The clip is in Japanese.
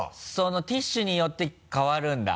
ティッシュによって変わるんだ。